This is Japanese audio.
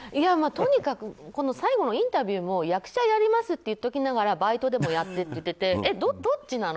とにかく最後のインタビューも役者やりますって言っておきながらバイトでもやってと言っていてどっちなの？